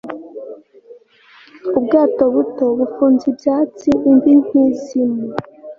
Ubwato buto bufunze ibyatsi imvi nkizimu